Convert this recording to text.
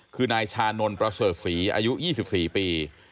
คือนายชานนท์ประเสริฐศรีอายุ๒๔ปี